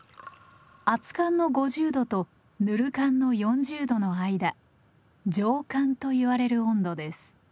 熱燗の５０度とぬる燗の４０度の間上燗と言われる温度です。